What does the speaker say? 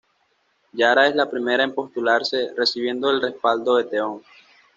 Yara es la primera en postularse, recibiendo el respaldo de Theon.